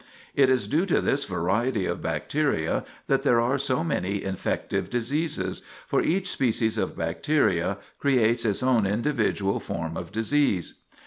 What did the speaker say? It is due to this variety of bacteria that there are so many infective diseases; for each species of bacteria creates its own individual form of disease.